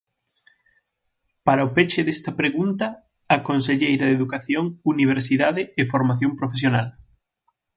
Para o peche desta pregunta, a conselleira de Educación, Universidade e Formación profesional.